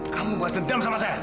kamu buat dendam sama saya